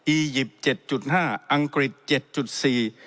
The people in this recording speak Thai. อียิปต์๗๕อังกฤษ๗๔